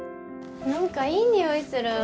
何かいい匂いする。